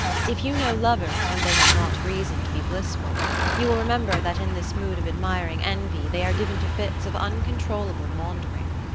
If you know lovers when they have not reason to be blissful, you will remember that in this mood of admiring envy they are given to fits of uncontrollable maundering.